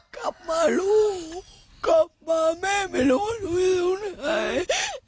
กลับมาลูกกลับมาแม่ไม่รู้ว่าหนูอยู่ไหน